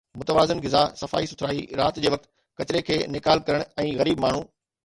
متوازن غذا، صفائي سٿرائي، رات جي وقت ڪچري کي نيڪال ڪرڻ ۽ غريب ماڻهو